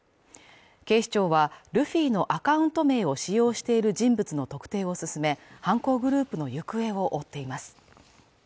警視庁はルフィのアカウント名を使用している人物の特定を進め犯行グループの行方を追っています